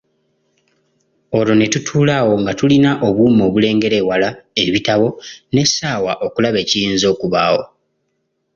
Olwo ne tutuula awo nga tulina obuuma obulengera ewala, ebitabo, n’essaawa okulaba ekiyinza okubaawo.